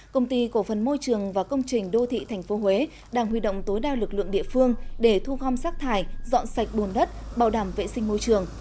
công ty cổ phần môi trường và công trình đô thị tp huế đang huy động tối đa lực lượng địa phương để thu gom rác thải dọn sạch bùn đất bảo đảm vệ sinh môi trường